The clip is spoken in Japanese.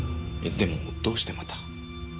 えでもどうしてまた？